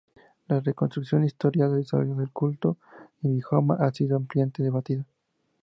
La reconstrucción histórica del desarrollo del culto a Vithoba ha sido ampliamente debatida.